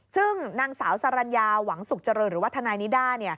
ซึ่งนางสาวสรรญาหวังสุขเจริญหรือว่าทนายนิด้า